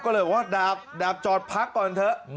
ก็เลยบอกว่าดาบจอดพักก่อนเถอะ